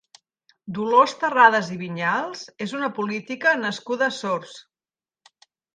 Dolors Terradas i Viñals és una política nascuda a Sords.